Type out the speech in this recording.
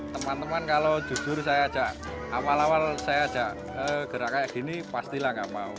teman teman kalau jujur saya ajak awal awal saya ajak gerak kayak gini pastilah nggak mau